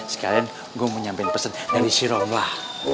sekalian gua mau nyampein pesan dari si romlah